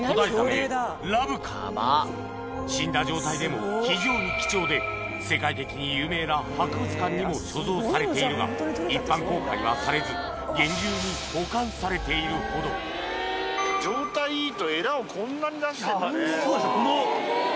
死んだ状態でも非常に貴重で世界的に有名な博物館にも所蔵されているが一般公開はされず厳重に保管されているほど状態いいとエラをこんなに出してんだね。